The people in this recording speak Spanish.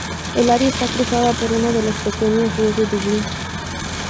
El área está cruzada por uno de los pequeños ríos de Dublín.